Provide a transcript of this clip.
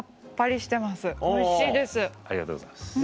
ありがとうございます。